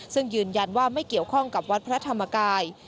ซึ่งยืนยันว่าไม่เกี่ยวข้องกับวัดพระธรรมกาย